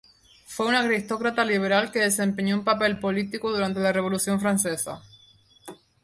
Fue un aristócrata liberal que desempeñó un papel político durante la Revolución francesa.